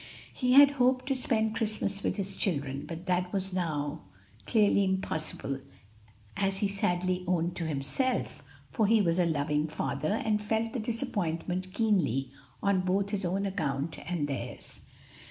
He had hoped to spend Christmas with his children, but that was now clearly impossible, as he sadly owned to himself, for he was a loving father and felt the disappointment keenly on both his own account and theirs.